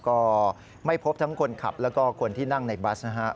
ก็ไม่พบทั้งคนขับแล้วก็คนที่นั่งในบัสนะฮะ